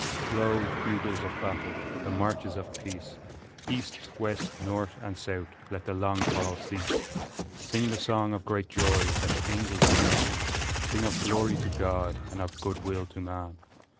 Blow, bugles of battle, the marches of peace; East, west, north, and south let the long quarrel cease Sing the song of great joy that the angels began, Sing of glory to God and of good will to man!